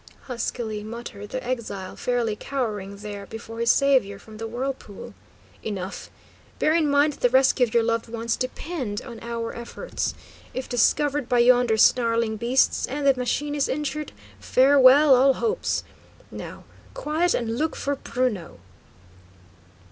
huskily muttered the exile, fairly cowering there, before his saviour from the whirlpool. "Enough; bear in mind that the rescue of your loved ones depend on our efforts. If discovered by yonder snarling beasts, and the machine is injured, farewell, all hopes! Now, quiet, and look for Bruno!"